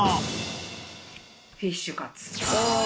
フィッシュカツ。